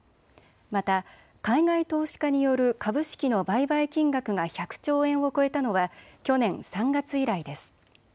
また海外投資家による株式の売買金額が１００兆円を超えたのは去年３月以来です。